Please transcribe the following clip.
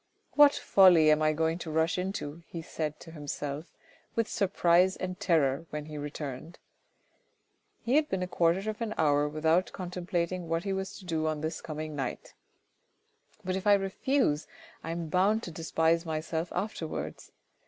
" What folly am I going to rush into," he said to himself with surprise and terror when he returned. He had been a quarter of an hour without contemplating what he was to do on this coming night. " But if I refuse, I am bound to despise myself afterwards.